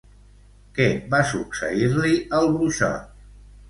Què va succeir-li al bruixot?